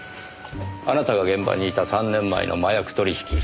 あなたが現場にいた３年前の麻薬取引